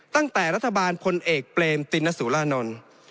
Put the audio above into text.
ตั้งแต่รัฐบาลพลเอกเปรมตินสุรานนท์